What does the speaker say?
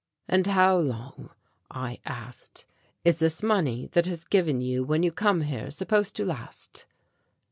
"And how long," I asked, "is this money that is given you when you come here supposed to last?"